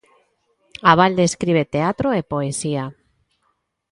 Abalde escribe teatro e poesía.